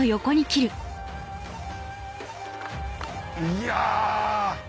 いや！